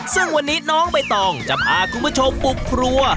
ซึ่งวันนี้น้องใบตองจะพาคุณผู้ชมบุกครัว